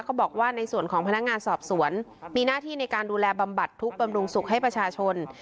ก็บอกว่าในส่วนของพนักงานสอบสวนมีหน้าที่ในการดูแลบำบัดทุกข์บำรุงสุขให้ประชาชน